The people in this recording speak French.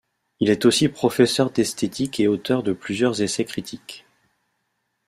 Il est aussi professeur d'esthétique et auteur de plusieurs essais critiques.